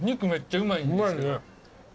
うまいね。